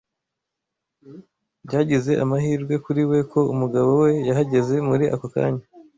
Byagize amahirwe kuri we ko umugabo we yahageze muri ako kanya.